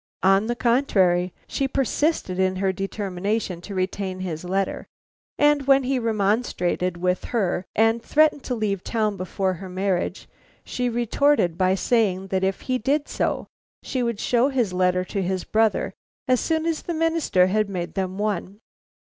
On the contrary, she persisted in her determination to retain his letter, and when he remonstrated with her and threatened to leave town before her marriage, she retorted by saying that, if he did so, she would show his letter to his brother as soon as the minister had made them one.